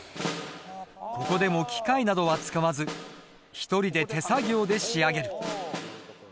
ここでも機械などは使わず一人で手作業で仕上げる。